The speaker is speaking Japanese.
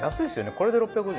これで６５０円。